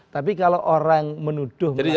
tapi kalau orang menuduh